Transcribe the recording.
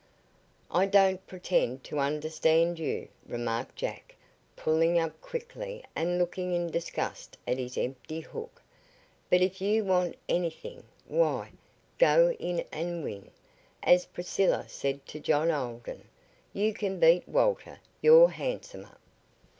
"I don't pretend to understand you," remarked Jack, pulling up quickly and looking in disgust at his empty hook. "But if you want anything why, go in and win, as Priscilla said to John Alden. You can beat Walter you're handsomer."